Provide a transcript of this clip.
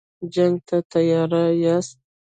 جنګ ته تیار یاست.